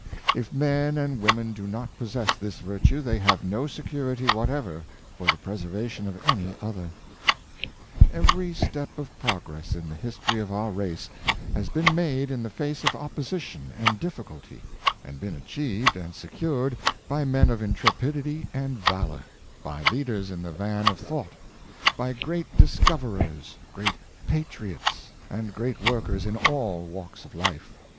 If men and women do not possess this virtue, they have no securit}^ whatever for the preservation of any other. 446 Moral Courage. Every step of progress in the history of our race has been made in the face of opposition and difficulty, and been achieved and secured by men of intrepidity and valor — by leaders in the van of thought — by great dis coverers, great patriots and great workers in all walks of Hfe.